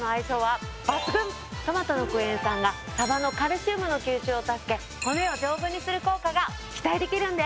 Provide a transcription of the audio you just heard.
トマトのクエン酸がサバのカルシウムの吸収を助け骨を丈夫にする効果が期待できるんです。